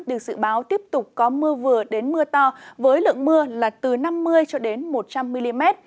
được dự báo tiếp tục có mưa vừa đến mưa to với lượng mưa là từ năm mươi cho đến một trăm linh mm